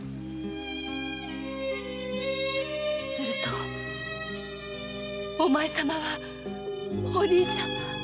するとお前様はお兄様？